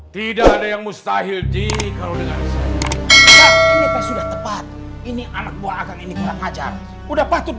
tidak ada yang mustahil di kalau dengannya sudah tepat ini alat anaknya ini berpengajar udah patut